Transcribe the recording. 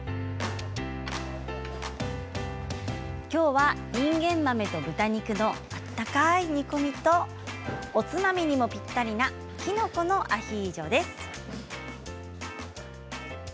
きょうはいんげん豆と豚肉の温かい煮込みとおつまみにもぴったりなきのこのアヒージョです。